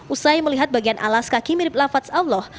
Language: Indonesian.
usai melihat bagian alas kaki mirip lafats allah